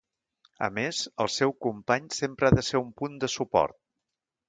A més, el seu company sempre ha de ser un punt de suport.